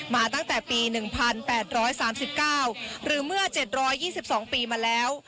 มาตั้งแต่ปี๑๘๓๙หรือเมื่อ๗๒๒ปีมาแล้ว